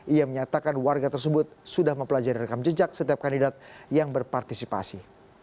ia menyatakan warga tersebut sudah mempelajari rekam jejak setiap kandidat yang berpartisipasi